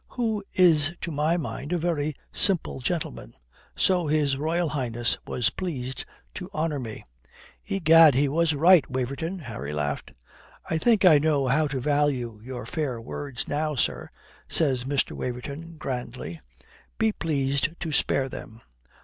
who is to my mind a very simple gentleman.' So His Royal Highness was pleased to honour me." "Egad, he was right, Waverton," Harry laughed. "I think I know how to value your fair words now, sir," says Mr. Waverton grandly. "Be pleased to spare them.